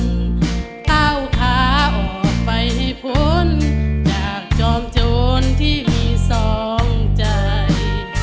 ก้าวขาออกไปให้พ้นจากจอมโจรที่มีสองใจ